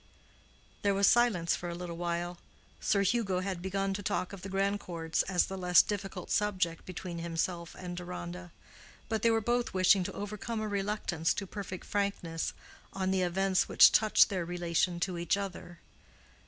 There was silence for a little while. Sir Hugo had begun to talk of the Grandcourts as the less difficult subject between himself and Deronda; but they were both wishing to overcome a reluctance to perfect frankness on the events which touched their relation to each other.